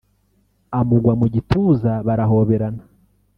amugwa mu gituza barahoberana